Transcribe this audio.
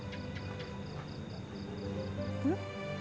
tapi aneh dulu